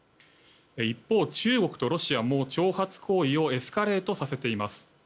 一方、中国とロシアも挑発行為をエスカレートさせています。